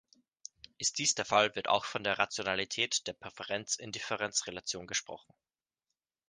Ist dies der Fall, wird auch von der "Rationalität" der Präferenz-Indifferenz-Relation gesprochen.